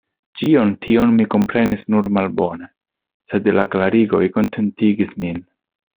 Ĉion tion mi komprenis nur malbone, sed la klarigoj kontentigis min.